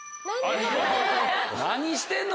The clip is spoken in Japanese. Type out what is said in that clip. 何してんの？